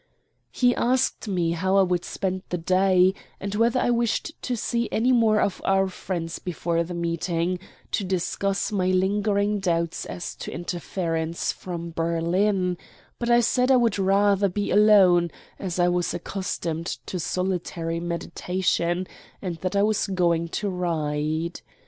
He asked me how I would spend the day, and whether I wished to see any more of our friends, before the meeting, to discuss my lingering doubts as to interference from Berlin; but I said I would rather be alone, as I was accustomed to solitary meditation, and that I was going to ride.